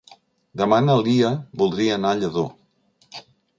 Demà na Lia voldria anar a Lladó.